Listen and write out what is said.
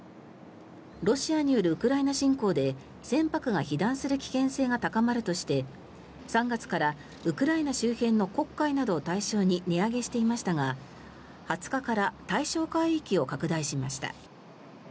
ロシアによるウクライナ侵攻で船舶が被弾する危険性が高まるとして３月からウクライナ周辺の黒海などを対象に値上げしていましたが２０日から対象海域を拡大しました。